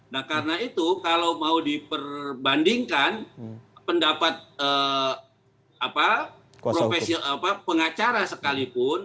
nah karena itu kalau mau diperbandingkan pendapat pengacara sekalipun